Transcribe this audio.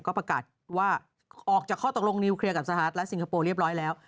ก็ประกาศว่าออกจากข้อตกลงนิวเคลียร์กับสหรัฐและสิงคโปร์เรียบร้อยแล้ว